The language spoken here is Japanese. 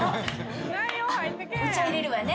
あお茶入れるわね。